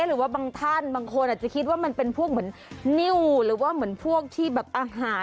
หรือว่าบางท่านบางคนอาจจะคิดว่ามันเป็นพวกเหมือนนิ้วหรือว่าเหมือนพวกที่แบบอาหาร